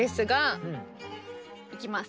いきます。